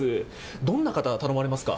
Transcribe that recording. どんな方が頼まれますか？